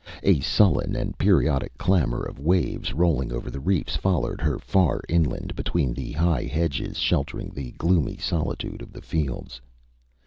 A sullen and periodic clamour of waves rolling over reefs followed her far inland between the high hedges sheltering the gloomy solitude of the fields.